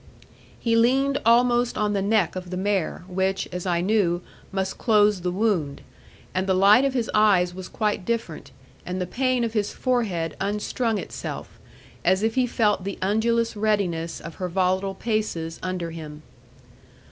He leaned almost on the neck of the mare, which, as I knew, must close the wound; and the light of his eyes was quite different, and the pain of his forehead unstrung itself, as if he felt the undulous readiness of her volatile paces under him.